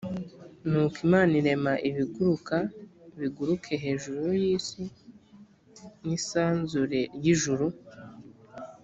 nuko imana irema ibiguruka biguruke hejuru y’isi mu isanzure ry’ijuru